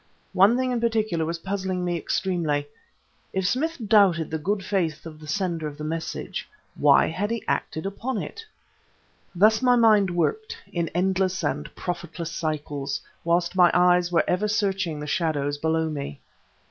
One thing in particular was puzzling me extremely: if Smith doubted the good faith of the sender of the message, why had he acted upon it? Thus my mind worked in endless and profitless cycles whilst my eyes were ever searching the shadows below me.